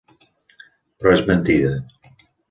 Però és mentida.